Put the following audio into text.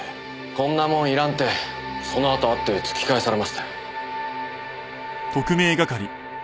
こんなもん要らんってそのあと会って突き返されましたよ。